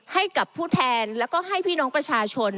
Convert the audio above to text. ให้กับผู้แทนแล้วก็ให้พี่น้องประชาชน